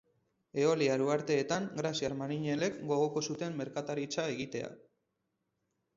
Eoliar uharteetan, greziar marinelek gogoko zuten merkataritza egitea.